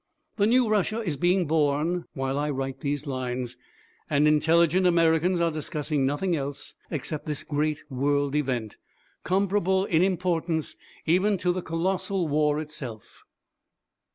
The new Russia is being born while I write these lines, and intelligent Americans are discussing nothing else except this great world event comparable in importance even to the colossal war itself.